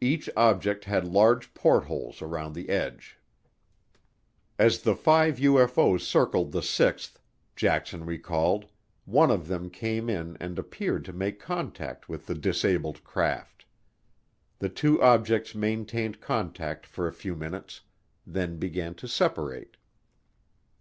Each object had large portholes around the edge. As the five UFO's circled the sixth, Jackson recalled, one of them came in and appeared to make contact with the disabled craft. The two objects maintained contact for a few minutes, then began to separate.